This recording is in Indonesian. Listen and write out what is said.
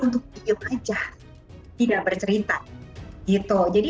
untuk diam aja tidak bercerita gitu jadi ini